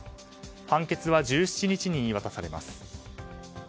判決は１７日に言い渡されます。